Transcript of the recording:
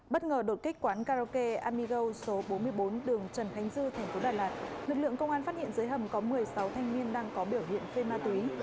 bất ngờ đột kích quán karaoke amiro số bốn mươi bốn đường trần khánh dư tp đà lạt lực lượng công an phát hiện dưới hầm có một mươi sáu thanh niên đang có biểu hiện phê ma túy